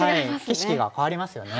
景色が変わりますよね。